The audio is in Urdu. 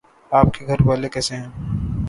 آپ کے گھر والے کیسے ہے